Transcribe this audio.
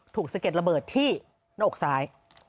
ถูกสะเก็ดระเบิดที่นอกสาย